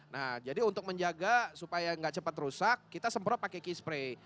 nah jadi untuk menjaga supaya nggak cepat rusak kita semprot pakai key spray